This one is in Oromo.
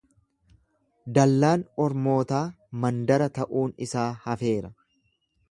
Dallaan ormootaa mandara ta'uun isaa hafeera.